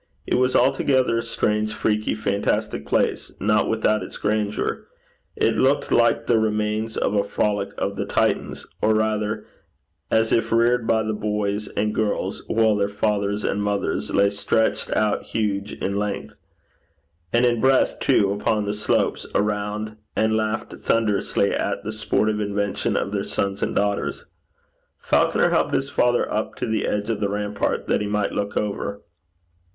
It was altogether a strange freaky fantastic place, not without its grandeur. It looked like the remains of a frolic of the Titans, or rather as if reared by the boys and girls, while their fathers and mothers 'lay stretched out huge in length,' and in breadth too, upon the slopes around, and laughed thunderously at the sportive invention of their sons and daughters. Falconer helped his father up to the edge of the rampart that he might look over.